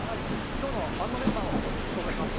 きょうのバンドメンバーを紹介します。